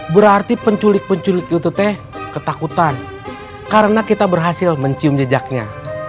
berarti penculik penculik youtute ketakutan karena kita berhasil mencium jejaknya